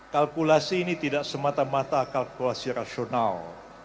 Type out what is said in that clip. kalkulasi ini tidak semata mata kalkulasi rasional